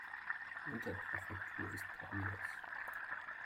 Unterpräfektur ist Pamiers.